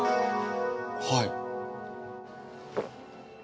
はい。